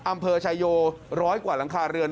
อำเภอชายโยร้อยกว่าหลังคาเรือน